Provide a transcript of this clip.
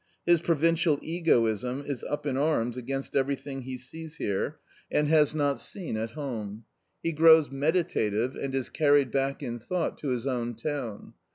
His provincial egoism is up in arms against everything he sees here, and 7\ 38 A COMMON STORY has not seen at home. He grows meditative and is carried back in thought to his own town.